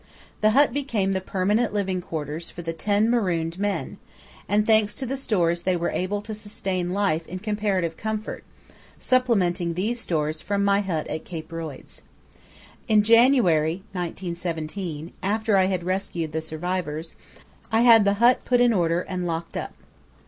The hut became the permanent living quarters for the ten marooned men, and thanks to the stores they were able to sustain life in comparative comfort, supplementing these stores from my hut at Cape Royds. In January 1917, after I had rescued the survivors, I had the hut put in order and locked up.